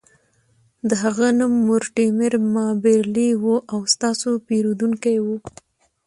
د هغه نوم مورټیمر مابرلي و او ستاسو پیرودونکی و